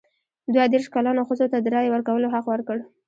دوه دیرش کلنو ښځو ته د رایې ورکولو حق ورکړ.